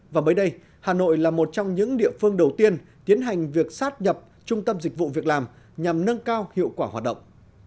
và mới đây hà nội là một trong những địa phương đầu tiên tiến hành việc sát nhập trung tâm dịch vụ việc làm nhằm nâng cao hiệu quả hoạt động